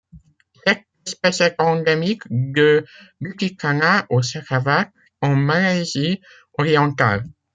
Cette espèce est endémique de Bukit Kana au Sarawak en Malaisie orientale.